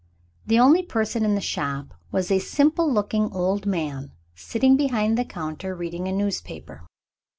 The only person in the shop was a simple looking old man, sitting behind the counter, reading a newspaper.